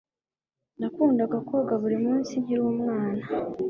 Nakundaga koga buri munsi nkiri umwana